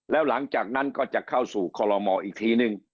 แล้วหลังจากนั้นก็จะเข้าสู่คอลโลมออีกทีนึง